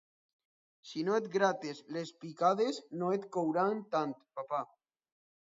Si no et grates les picades no et couran tant, papa.